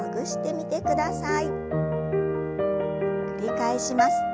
繰り返します。